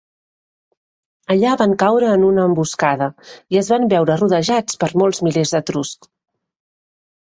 Allà van caure en una emboscada, i es van veure rodejats per molts milers d'etruscs.